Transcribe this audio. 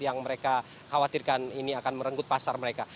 yang mereka khawatirkan ini akan merenggut pasar mereka